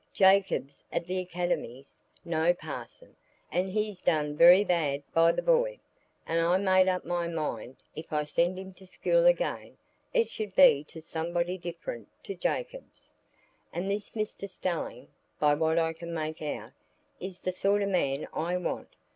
"Jacobs at th' academy's no parson, and he's done very bad by the boy; and I made up my mind, if I send him to school again, it should be to somebody different to Jacobs. And this Mr Stelling, by what I can make out, is the sort o' man I want.